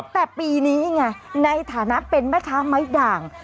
แต่ปีนี้ไงในฐานะเป็นแม่ค้าไม้ด่าง